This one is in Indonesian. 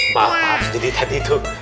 bapak jadi tadi tuh